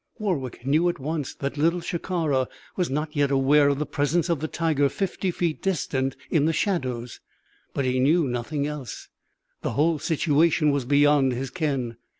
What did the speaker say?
Warwick knew at once that Little Shikara was not yet aware of the presence of the tiger fifty feet distant in the shadows. But he knew nothing else. The whole situation was beyond his ken.